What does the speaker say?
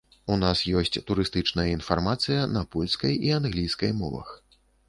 У нас ёсць турыстычная інфармацыя на польскай і англійскай мовах.